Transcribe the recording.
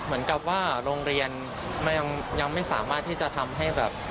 เหมือนกับว่าโรงเรียนยังไม่สามารถที่จะทำให้แบบ